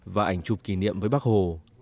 và ảnh chụp kỷ niệm với bác hồ